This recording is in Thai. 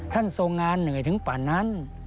ทรงงานเหนื่อยถึงป่านั้น